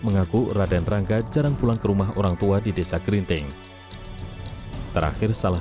mengaku raden ranggassasana pulang ke rumah orang tua di desa gerinting terakhir salah